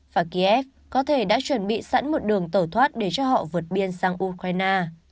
và kiev có thể đã chuẩn bị sẵn một đường tẩu thoát để cho họ vượt biên sang ukraine